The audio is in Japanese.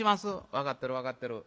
「分かってる分かってる。